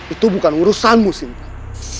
itu bukan urusanmu simpang